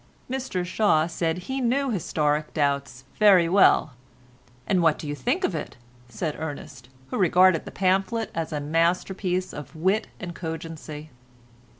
Mr Shaw said he knew "Historic Doubts" very well. "And what you think of it?" said Ernest, who regarded the pamphlet as a masterpiece of wit and cogency.